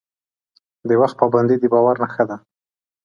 د وخت پابندي د باور نښه ده.